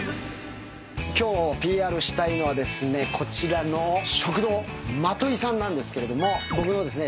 今日ＰＲしたいのはですねこちらの食堂まといさんなんですけれども僕のですね